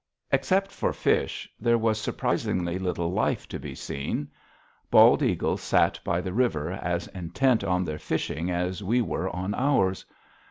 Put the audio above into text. Except for fish, there was surprisingly little life to be seen. Bald eagles sat by the river, as intent on their fishing as we were on ours.